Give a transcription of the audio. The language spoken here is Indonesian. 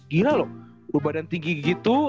gila loh badan tinggi gitu